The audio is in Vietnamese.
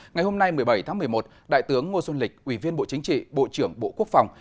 ngày hôm nay một mươi bảy tháng một mươi một đại tướng ngô xuân lịch ủy viên bộ chính trị bộ trưởng bộ quốc phòng